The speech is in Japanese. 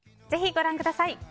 ぜひご覧ください。